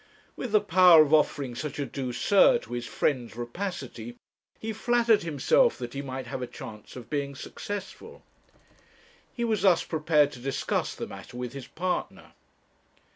With the power of offering such a douceur to his friend's rapacity, he flattered himself that he might have a chance of being successful. He was thus prepared to discuss the matter with his partner.